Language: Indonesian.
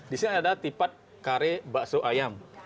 di sini ada tipat kare bakso ayam